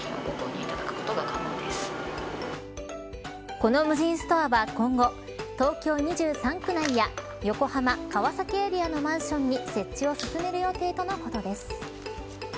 この無人ストアは今後東京２３区内や横浜、川崎エリアのマンションに設置を進める予定とのことです。